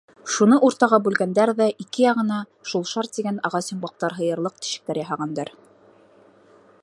Шуны уртаға бүлгәндәр ҙә ике яғына шул шар тигән ағас йомғаҡтар һыйырлыҡ тишектәр яһағандар.